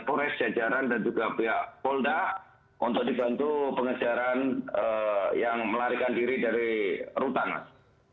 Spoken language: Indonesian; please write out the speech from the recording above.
polres jajaran dan juga pihak polda untuk dibantu pengejaran yang melarikan diri dari rutan mas